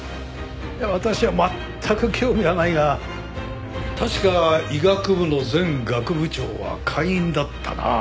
私は全く興味がないが確か医学部の前学部長は会員だったな。